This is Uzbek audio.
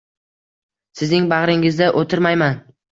Sizning bag'ringizda o'tirmayman.